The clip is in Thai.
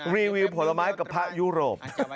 รีวิวผลไม้กับพระยุโรป